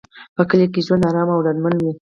په کلي کې ژوند ارام او ډاډمن وي.